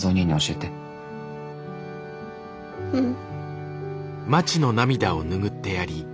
うん。